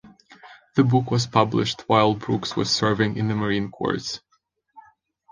The book was published while Brooks was serving in the Marine Corps.